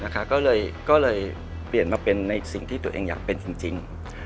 ก็เลยเปลี่ยนมาเป็นในสิ่งที่ตัวเองอยากเป็นจริง